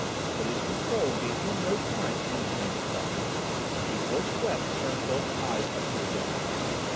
But his Control gave him no time for independent thought. He forced Quest to turn Philip's eyes up to his own.